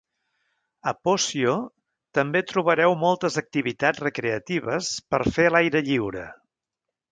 A Posio també trobareu moltes activitats recreatives per fer a l'aire lliure.